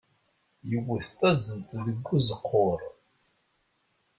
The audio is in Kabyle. Yewwet taẓẓelt deg uzeqqur.